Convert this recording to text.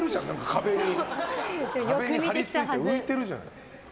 壁に張り付いて浮いてるじゃん。